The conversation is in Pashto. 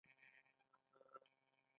دوی له بهر څخه نرسان راوړي.